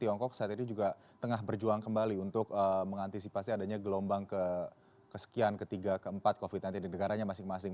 tiongkok saat ini juga tengah berjuang kembali untuk mengantisipasi adanya gelombang kesekian ketiga keempat covid sembilan belas di negaranya masing masing